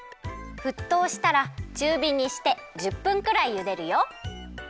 ふっとうしたらちゅうびにして１０分くらいゆでるよ。